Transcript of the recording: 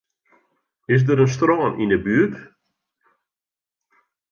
Is der in strân yn 'e buert?